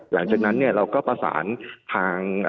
หลังจากนั้นเนี่ยเราก็ประสานทาง